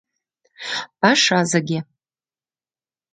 «Пашазыге